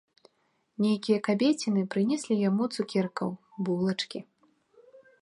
Нейкія кабеціны прынеслі яму цукеркаў, булачкі.